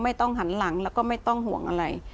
ไม่ต้องหันหลังแล้วก็ไม่ต้องห่วงอะไร